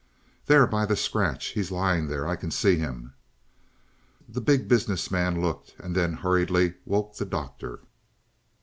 "There, by the scratch; he's lying there; I can see him." The Big Business Man looked and then hurriedly woke the Doctor.